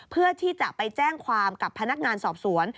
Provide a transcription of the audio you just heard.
เพื่อที่จะไปแจ้งความกับพนักงานสอบสวน